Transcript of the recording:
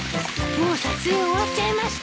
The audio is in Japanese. もう撮影終わっちゃいました？